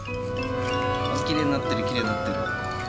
あきれいになってるきれいになってる。